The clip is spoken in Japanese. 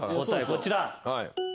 こちら。